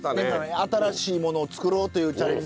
新しいものを作ろうというチャレンジ